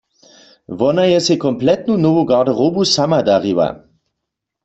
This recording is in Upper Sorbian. Wona je sej kompletnu nowu garderobu sama dariła.